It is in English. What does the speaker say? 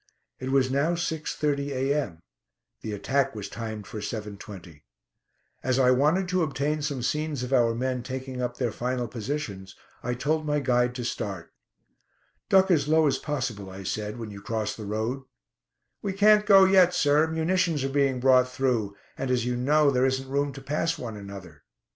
It was now 6.30 a.m. The attack was timed for 7.20. As I wanted to obtain some scenes of our men taking up their final positions, I told my guide to start. "Duck as low as possible," I said, "when you cross the road." "We can't go yet, sir; munitions are being brought through, and, as you know, there isn't room to pass one another."